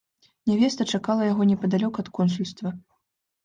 Нявеста чакала яго непадалёк ад консульства.